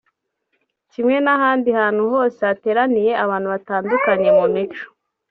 Kimwe n’ahandi hantu hose hateraniye abantu batandukanye mu mico